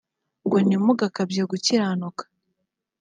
ngo nti mugakabye gukiranuka